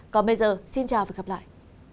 còn bây giờ xin chào và gặp lại